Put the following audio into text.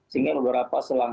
sehingga beberapa selang